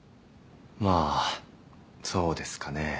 まあそうですかね